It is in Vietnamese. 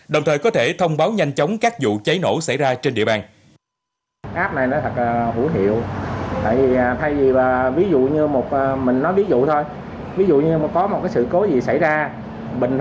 đồng thời có thể thông báo nhanh chóng các vụ cháy nổ xảy ra trên địa bàn